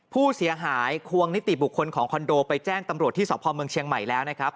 ผู้เสียหายควงนิติบุคคลของคอนโดไปแจ้งตำรวจที่สพเมืองเชียงใหม่แล้วนะครับ